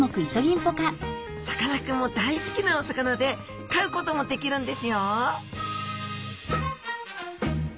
さかなクンも大好きなお魚で飼うこともできるんですよ